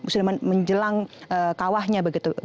sudah menjelang kawahnya begitu